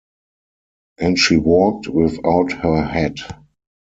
And she walked without her hat.